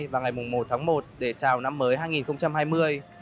và ngày một tháng một để chào năm mới hai nghìn hai mươi